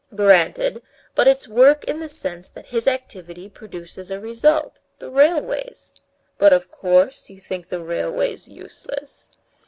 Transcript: "Granted, but it's work in the sense that his activity produces a result—the railways. But of course you think the railways useless."